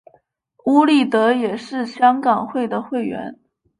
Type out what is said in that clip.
邬励德也是香港会的会员。